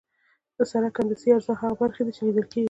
د سرک هندسي اجزا هغه برخې دي چې لیدل کیږي